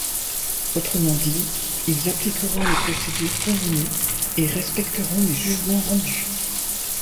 Autrement dit, ils appliqueront les procédures convenues et respecteront les jugements rendus.